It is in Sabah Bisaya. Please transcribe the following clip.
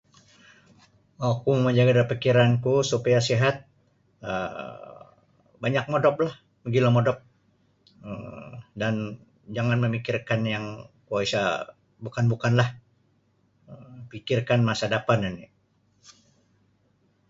Oku mamajaga da pikiranku supaya sihat um banyak modoplah mogilo modop um dan jangan mamikir da pikiran kuo isa bukan-bukanlah pikirkan masa dapan oni.